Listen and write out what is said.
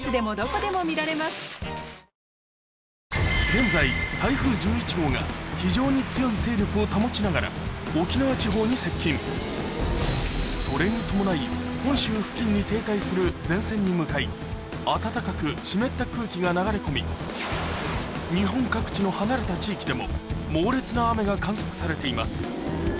現在非常に強い勢力を保ちながらそれに伴い本州付近に停滞する前線に向かい暖かく湿った空気が流れ込み日本各地の離れた地域でも猛烈な雨が観測されています